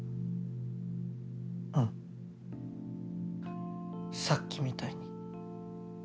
うんさっきみたいに。